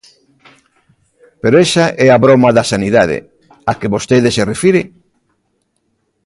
¿Pero esa é a broma da sanidade á que vostede se refire?